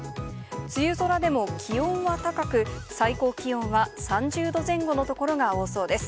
梅雨空でも気温は高く、最高気温は３０度前後の所が多そうです。